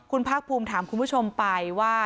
คุณภาคภูมิถามคุณผู้ชมไปว่า